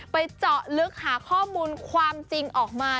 เจาะลึกหาข้อมูลความจริงออกมา